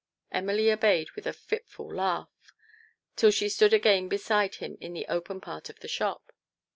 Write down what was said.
Emily obeyed with a fitful laugh, till she stood again beside him in the open part of the shop.